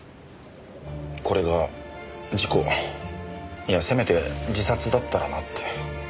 これが事故いやせめて自殺だったらなって。